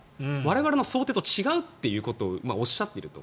我々の想定と違うということをおっしゃっていると。